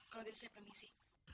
kalau gitu saya permisi